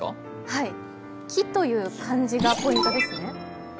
はい、木という漢字がポイントですね。